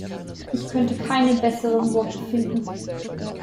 Ich könnte keine besseren Worte finden.